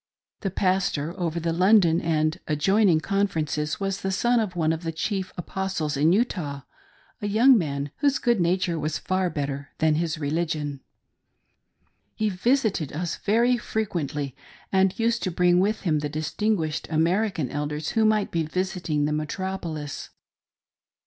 The Pastor over the London and adjoining Conferences was the son of one of the chief Apos tles in Utah — a young man, whose good nature was far better than his religion. He visited us very frequently, and used to bring with him the distinguished American Elders who might be visiting the metropolis.